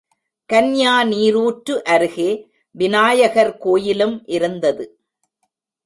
கன்யா நீரூற்று அருகே விநாயகர் கோயிலும் இருந்தது.